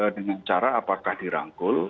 dengan cara apakah dirangkul